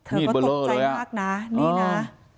เธอก็ตกใจมากนะนี่นะ